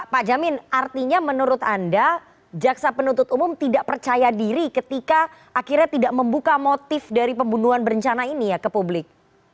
pak jamin artinya menurut anda jaksa penuntut umum tidak percaya diri ketika akhirnya tidak membuka motif dari pembunuhan berencana ini ya ke publik